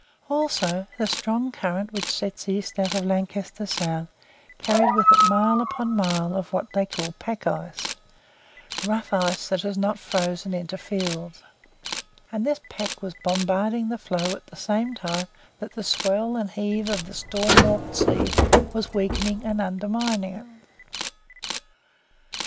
Also, the strong current which sets east out of Lancaster Sound carried with it mile upon mile of what they call pack ice rough ice that has not frozen into fields; and this pack was bombarding the floe at the same time that the swell and heave of the storm worked sea was weakening and undermining it.